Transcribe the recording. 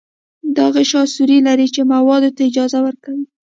دا غشا سوري لري چې موادو ته اجازه ورکوي.